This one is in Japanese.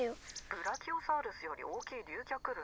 ☎ブラキオサウルスより大きい竜脚類？